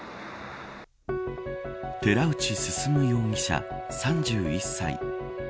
寺内進容疑者、３１歳。